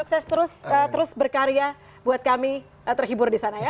sukses terus berkarya buat kami terhibur di sana ya